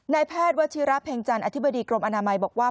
นายแพทย์วัชิระเพ็งจันทร์อธิบดีกรมอนามัยบอกว่า